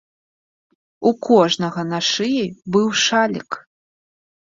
У кожнага на шыі быў шалік.